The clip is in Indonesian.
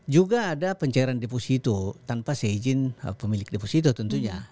juga ada pencairan deposito tanpa seizin pemilik deposito tentunya